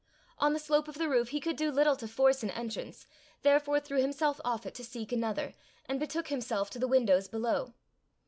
On the slope of the roof he could do little to force an entrance, therefore threw himself off it to seek another, and betook himself to the windows below.